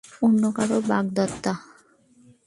অন্য কারো বাগদত্তা।